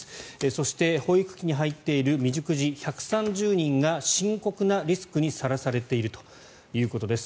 そして、保育器に入っている未熟児１３０人が深刻なリスクにさらされているということです。